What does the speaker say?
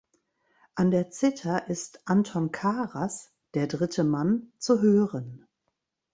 An der Zither ist Anton Karas (Der dritte Mann) zu hören.